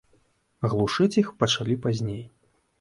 Глушыць іх пачалі пазней.